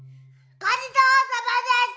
ごちそうさまでした！